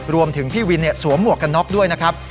รวมถึงพี่วินเนี่ยสวมหมวกกันน็อกด้วยนะครับ